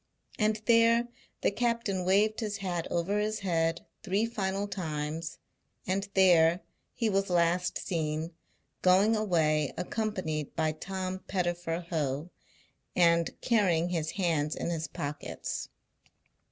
And there the captain waved his hat over his head three final times; and there he was last seen, going away accompanied by Tom Pettifer Ho, and carrying his hands in his pockets.